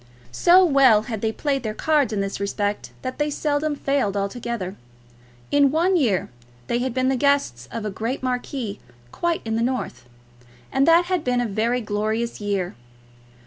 So well had they played their cards in this respect, that they seldom failed altogether. In one year they had been the guests of a great marquis quite in the north, and that had been a very glorious year.